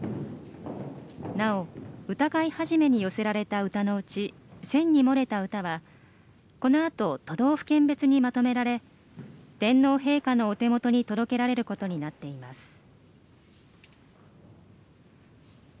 なお歌会始に寄せられた歌のうち選に漏れた歌はこのあと都道府県別にまとめられ天皇陛下のお手元に届けられることになっています。